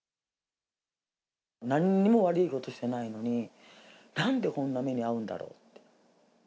なんにも悪いことしてないのに、なんでこんな目に遭うんだろうって。